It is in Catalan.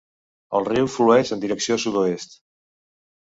El riu flueix en direcció sud-oest.